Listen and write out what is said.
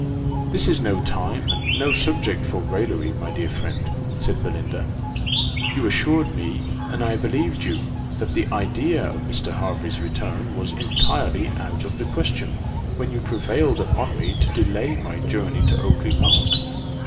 "This is no time, and no subject for raillery, my dear friend," said Belinda; "you assured me, and I believed you, that the idea of Mr. Hervey's return was entirely out of the question, when you prevailed upon me to delay my journey to Oakly park.